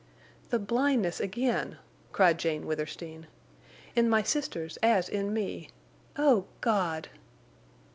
"The blindness again!" cried Jane Withersteen. "In my sisters as in me!... O God!"